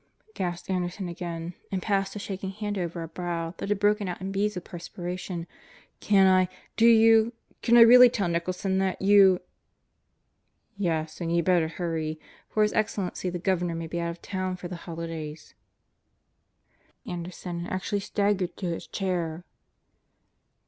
gasped Anderson again, and passed a shak ing hand over a brow that had broken out in beads of 'perspiration. "Can I ... Do you ... Can I ^really tell Nicholson that you ..." "Yes, and you'd better hurry; for His Excellency, the Gov ernor, may be out of town for the holidays. "Christ! ..." gasped the chunky Anderson and actually staggered to his chair.